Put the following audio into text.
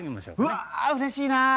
うわうれしいな。